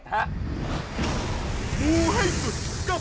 สวัสดีครับ